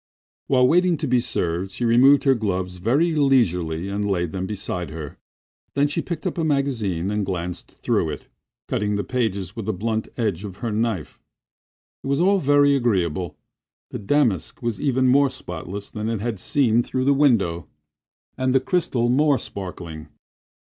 While waiting to be served she removed her gloves very leisurely and laid them beside her. Then she picked up a magazine and glanced through it, cutting the pages with a blunt edge of her knife. It was all very agreeable. The damask was even more spotless than it had seemed through the window, and the crystal more sparkling.